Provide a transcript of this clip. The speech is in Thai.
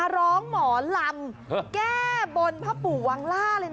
ร้องหมอลำแก้บลป่าปู่วังระ